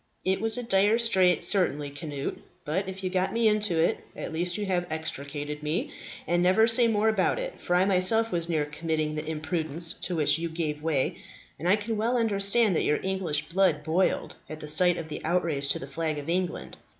"It was a dire strait, certainly, Cnut. But if you got me into it, at least you have extricated me; and never say more about it, for I myself was near committing the imprudence to which you gave way, and I can well understand that your English blood boiled at the sight of the outrage to the flag of England.